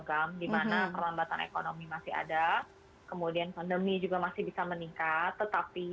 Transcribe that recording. ke tiga di mana perlambatan ekonomi masih ada kemudian pandemi juga masih bisa meningkat tetapi